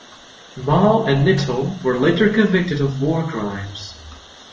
Mahl and Knittel were later convicted of war crimes.